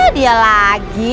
lha dia lagi